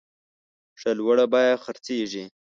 ښه لوړه بیه خرڅیږي.